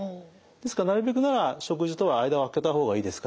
ですからなるべくなら食事とは間をあけた方がいいですから。